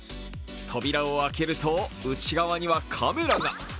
扉を開けると内側にはカメラが。